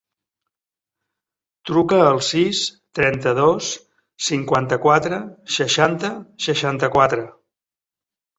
Truca al sis, trenta-dos, cinquanta-quatre, seixanta, seixanta-quatre.